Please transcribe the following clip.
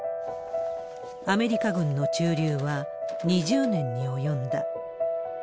アメリカ軍の駐留は２０年に及んだ。